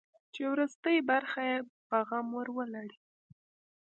چې وروستۍ برخه یې په غم ور ولړي.